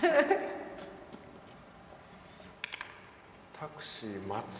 タクシー待つ。